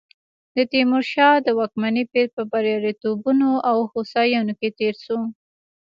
د تیمورشاه د واکمنۍ پیر په بریالیتوبونو او هوساینو کې تېر شو.